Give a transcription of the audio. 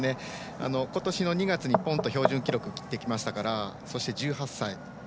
ことしの２月にぽんと標準記録を切ってきましたから１８歳。